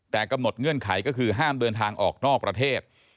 แต่กำหนดเงื่อนไขก็คือห้ามเดินทางออกนอกประเทศ